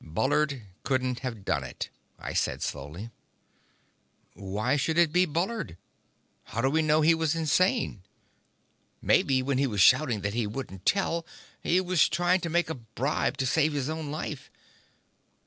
"Bullard couldn't have done it," I said slowly. "Why should it be Bullard? How do we know he was insane? Maybe when he was shouting that he wouldn't tell, he was trying to make a bribe to save his own life.